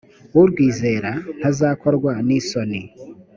urwizera ntazakorwa n’isoni